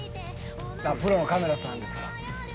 プロのカメラさんですか。